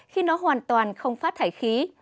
khi nó hoàn toàn không phát thải